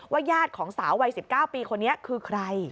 ญาติของสาววัย๑๙ปีคนนี้คือใคร